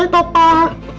tuh tuh tuh